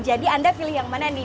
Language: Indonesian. jadi anda pilih yang mana nih